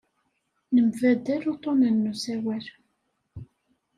Nembaddal uḍḍunen n usawal.